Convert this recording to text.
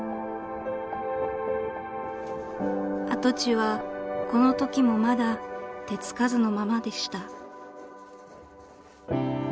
［跡地はこのときもまだ手付かずのままでした］